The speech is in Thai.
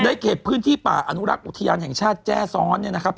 เขตพื้นที่ป่าอนุรักษ์อุทยานแห่งชาติแจ้ซ้อนเนี่ยนะครับ